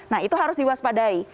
nah itu harus diwaspadai